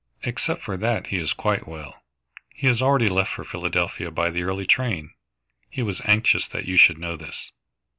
Except for that he is quite well. He has already left for Philadelphia by the early train. He was anxious that you should know this."